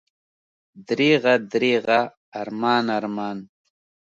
دریغه، دریغه، ارمان، ارمان!